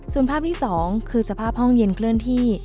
ส่วนภาพที่๒คือสภาพห้องเย็นเคลื่อนที่